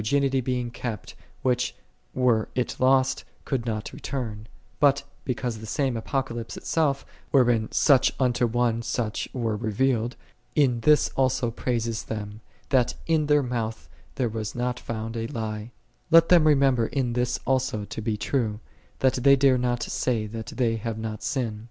ginity being kept, which, were it lost, could not return: but, because that same Apocalypse ' itself, wherein such unto one such were re i vealed, in this also praises them, that *' in i their mouth there was not found a lie: "" let them remember in this also to be true, that they dare not say that they have not sin.